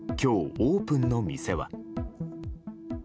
オープンの店は。